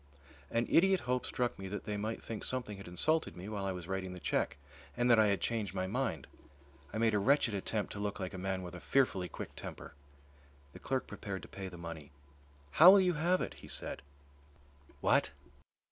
An idiot hope struck me that they might think something had insulted me while I was writing the cheque and that I had changed my mind. I made a wretched attempt to look like a man with a fearfully quick temper. The clerk prepared to pay the money. "How will you have it?" he said. "What?"